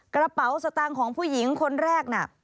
กระเป๋าสตางค์ของผู้หญิงคนแรกน่ะ